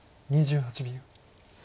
２８秒。